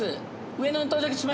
上野に到着しました。